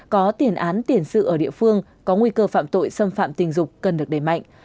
có tiền án tiền sự ở địa phương có nguy cơ phạm tội xâm phạm tình dục cần được đẩy mạnh